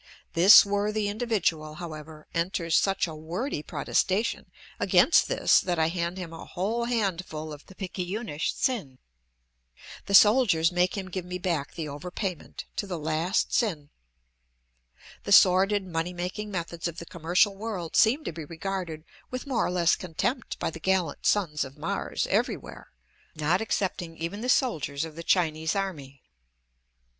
This worthy individual, however, enters such a wordy protestation against this that I hand him a whole handful of the picayunish tsin. The soldiers make him give me back the over payment, to the last tsin. The sordid money making methods of the commercial world seem to be regarded with more or less contempt by the gallant sons of Mars everywhere, not excepting even the soldiers of the Chinese army.